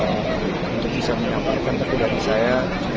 untuk bisa menamparkan petugas saya